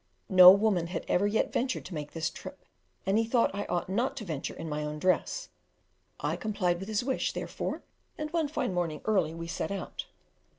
No woman had ever yet ventured to make this trip, and he thought that I ought not to venture in my own dress; I complied with his wish, therefore, and one fine morning early we set out.